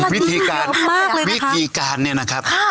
วิธีการวิธีการเนี่ยนะครับ